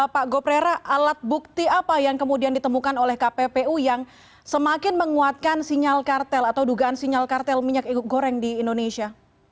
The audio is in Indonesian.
pak goprera alat bukti apa yang kemudian ditemukan oleh kppu yang semakin menguatkan sinyal kartel atau dugaan sinyal kartel minyak goreng di indonesia